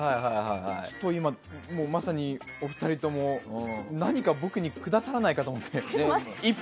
ちょっと今まさにお二人とも何か僕に下さらないかと思って。